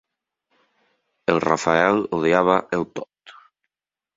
El Rafael odiava el Todd.